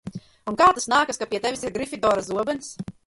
Un kā tas nākas, ka pie tevis ir Grifidora zobens?